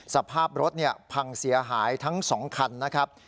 สภาพรถพังเสียหายทั้ง๒คันนะครับ